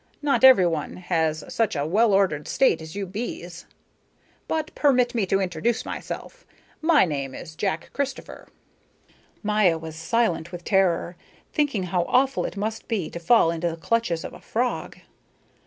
Not everyone has such a well ordered state as you bees. But permit me to introduce myself. My name is Jack Christopher." Maya was silent with terror, thinking how awful it must be to fall into the clutches of a frog.